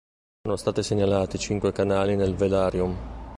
Sono stati segnalati cinque canali nel velarium.